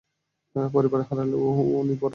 পরিবার হারালেও উনি পরোয়া করেন না।